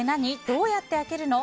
どうやって開けるの？